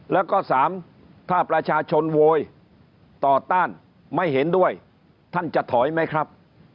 แล้วก็สามถ้าประชาชนโวยต่อต้านไม่เห็นด้วยท่านจะถอยไหมครับ